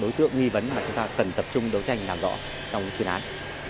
đối tượng nghi vấn mà chúng ta cần tập trung đấu tranh làm rõ trong chuyên án